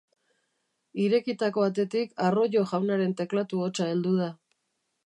Irekitako atetik Arroyo jaunaren teklatu hotsa heldu da.